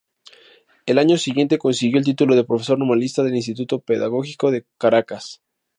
El año siguiente, consiguió el título de profesor normalista del Instituto Pedagógico de Caracas.